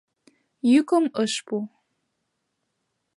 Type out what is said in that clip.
Йӱкым ыш пу.